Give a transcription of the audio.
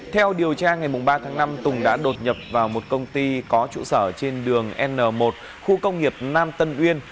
theo điều tra ngày ba tháng năm tùng đã đột nhập vào một công ty có trụ sở trên đường n một khu công nghiệp nam tân uyên